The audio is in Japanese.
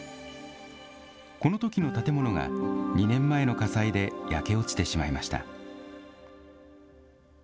このときの建物が２年前の火災で焼け落ちてしまいました。